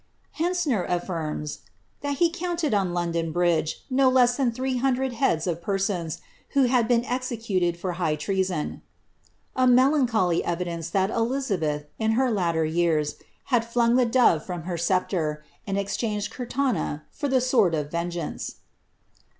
Hentsner affirms, ^ that he counted on London bridge no less than duee hundred heads of persons, who had been executed for high tre» ■oo" — a melanchdy evidence that Elizabeth, in her latter years, had Aug the dove from her sceptre, and exchanged curtana for the swocd <if vengeance.